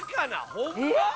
ホンマ？